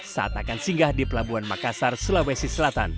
saat akan singgah di pelabuhan makassar sulawesi selatan